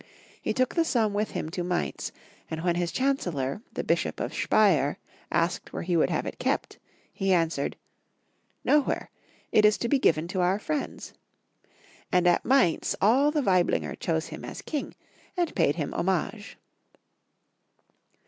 He took the sum with him to Mainz, and when his chancellor, the Bishop of Speier, asked where he would have it kept, he answered —" Nowhere. It is to be given to our friends ;" and at Mainz all the Waiblinger chose him as King, and paid hiTTi homage.